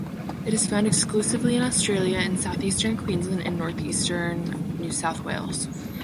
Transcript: It is found exclusively in Australia in southeastern Queensland and northeastern New South Wales.